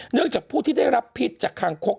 จากผู้ที่ได้รับพิษจากคางคก